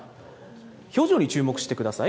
表情に注目してください。